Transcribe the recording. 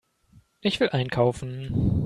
Ich will einkaufen.